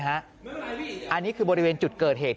อันนี้คือบริเวณจุดเกิดเหตุ